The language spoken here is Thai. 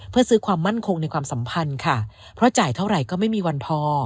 เพื่อซื้อความมั่นคงในความสัมพันธ์ค่ะเพราะจ่ายเท่าไหร่ก็ไม่มีวันพอ